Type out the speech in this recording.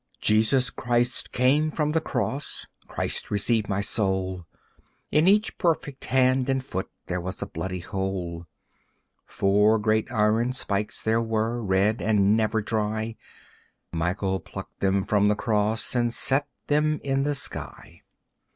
Jesus Christ came from the Cross (Christ receive my soul!) In each perfect hand and foot there was a bloody hole. Four great iron spikes there were, red and never dry, Michael plucked them from the Cross and set them in the sky.